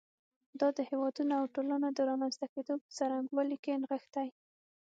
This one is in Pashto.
دا د هېوادونو او ټولنو د رامنځته کېدو په څرنګوالي کې نغښتی.